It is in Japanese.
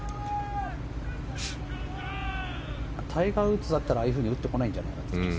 タイガー・ウッズだったらああいうふうに打ってこないんじゃないかな。